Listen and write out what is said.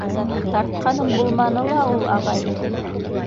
— Тартҡаным булманы ла ул, ағай.